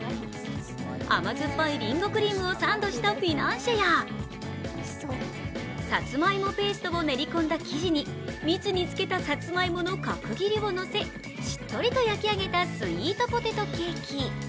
甘酸っぱいりんごクリームをサンドしたフィナンシェやさつまいもペーストを練り込んだ生地に蜜につけたさつまいもの角切りをのせしっとりと焼き上げたスイートポテトケーキ。